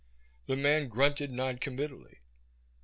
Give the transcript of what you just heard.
The man grunted non committally.